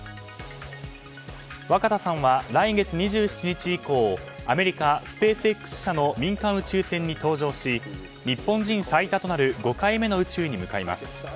若田さんは来月２７日以降アメリカ、スペースＸ社の民間宇宙船に搭乗し日本人最多となる５回目の宇宙へ向かいます。